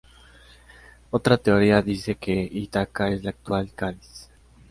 Otra teoría dice que Ítaca es la actual Cádiz.